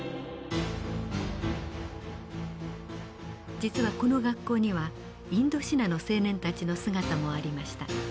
実はこの学校にはインドシナの青年たちの姿もありました。